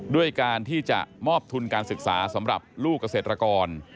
ด้วยการที่จะมอบทุนการศึกษาสำหรับลูกเกษตรกร